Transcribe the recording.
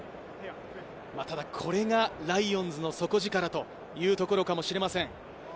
ただこれがライオンズの底力というところかもしれません。